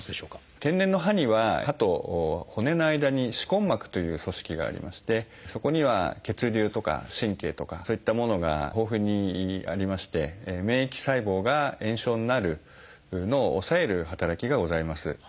天然の歯には歯と骨の間に歯根膜という組織がありましてそこには血流とか神経とかそういったものが豊富にありまして免疫細胞が炎症になるのを抑える働きがございます。